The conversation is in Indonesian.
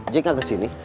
jadi gak kesini